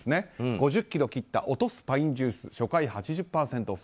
５０キロ切った落とすパインジュース初回８０％オフ。